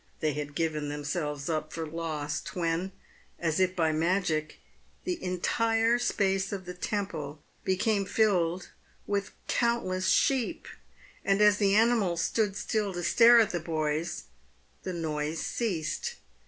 They had given themselves up for lost, when, as if by magic, the en tire space of the temple became filled with countless sheep, and as the animals stood still to stare at the boys, the noise ceased.